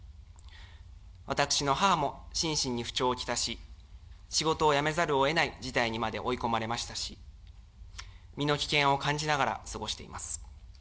私の母も心身に不調を来し、仕事を辞めざるをえない事態にまで追い込まれましたし、身の危険を感じながら過ごしています。